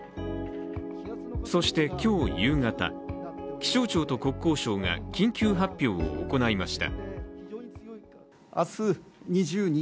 そして、今日夕方、気象庁と国交省が緊急発表を行いました。